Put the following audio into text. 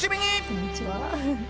こんにちは。